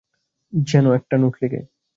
Gen একটা note লিখে।